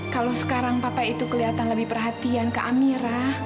kalau sekarang papa itu kelihatan lebih perhatian ke amira